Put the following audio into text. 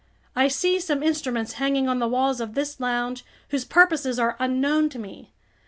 I see some instruments hanging on the walls of this lounge whose purposes are unknown to me.